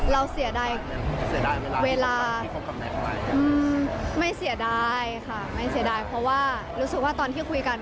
เสียดายเสียดายเวลาไม่เสียดายค่ะไม่เสียดายเพราะว่ารู้สึกว่าตอนที่คุยกัน